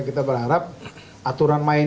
kita berharap aturan main